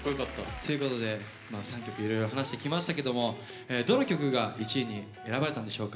ということで３曲いろいろ話してきましたけどもどの曲が１位に選ばれたんでしょうか。